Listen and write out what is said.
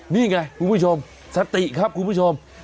นี่ไงคุณผู้ชมสติครับคุณผู้ชม